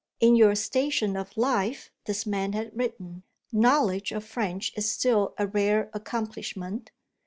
"In your station of life," this man had written, "knowledge of French is still a rare accomplishment.